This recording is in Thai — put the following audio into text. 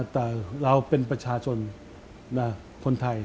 แต่เราเป็นประชาชนคนไทย